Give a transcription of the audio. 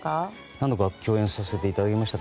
何度か共演させていただきました。